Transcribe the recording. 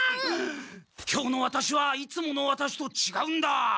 今日のワタシはいつものワタシとちがうんだ。